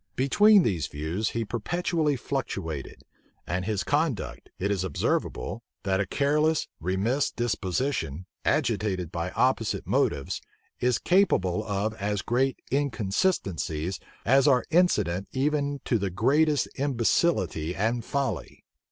Between these views, he perpetually fluctuated; and from his conduct, it is observable, that a careless, remiss disposition, agitated by opposite motives, is capable of as great inconsistencies as are incident even to the greatest imbecility and folly.